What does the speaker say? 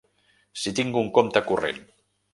Si tinc un compte corrent.